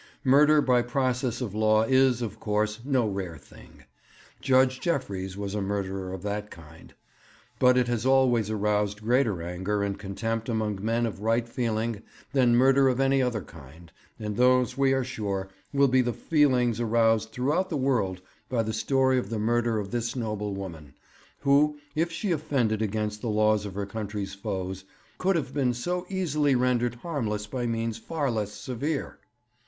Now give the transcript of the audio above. Murder by process of law is, of course, no rare thing. Judge Jeffreys was a murderer of that kind. But it has always aroused greater anger and contempt among men of right feeling than murder of any other kind, and those, we are sure, will be the feelings aroused throughout the world by the story of the murder of this noble woman, who, if she offended against the laws of her country's foes, could have been so easily rendered harmless by means far less severe.